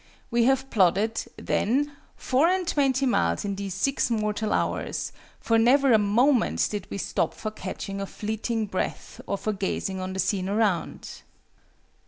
We have plodded, then, four and twenty miles in these six mortal hours; for never a moment did we stop for catching of fleeting breath or for gazing on the scene around!"